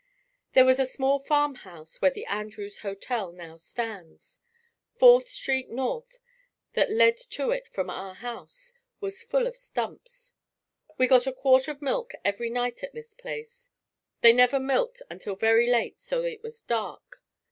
There was a small farmhouse where the Andrews Hotel now stands. Fourth Street North, that led to it from our house, was full of stumps. We got a quart of milk every night at this place. They never milked until very late so it was dark.